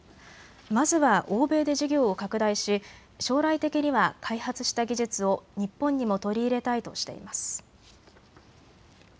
まずは欧米で事業を拡大し将来的には開発した技術を日本にも取り入れたいとしています。